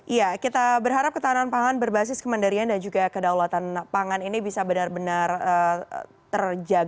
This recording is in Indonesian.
iya kita berharap ketahanan pangan berbasis kemandirian dan juga kedaulatan pangan ini bisa benar benar terjaga